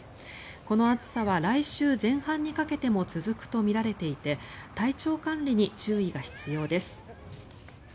この暑さは来週前半にかけても続くとみられていて体調管理に注意が必要です。